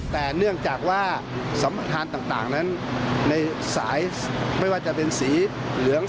แต่เนื่องจากว่าสัมประธานต่างนั้นในสายไม่ว่าจะเป็นสีเหลือง